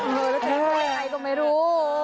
เฮ้แล้วจะเป็นไงก็ไม่รู้